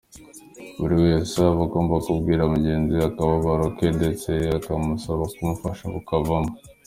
Buri wese aba agomba kubwira mugenzi we akababaro ke ndetse akamusaba kumufasha kukavamo.